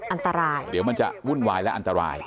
อันตรายเดี๋ยวมันจะวุ่นวายและอันตราย